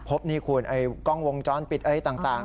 พบนี่คุณกล้องวงจ้อนปิดอะไรต่าง